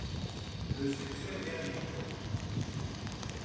Le succès vient vite.